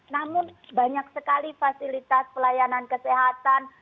namun banyak sekali fasilitas pelayanan kesehatan